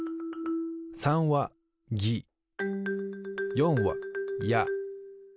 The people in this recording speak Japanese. ３は「ぎ」４は「や」